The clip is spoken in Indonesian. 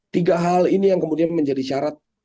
tiga hal ini yang kemudian menjadi syarat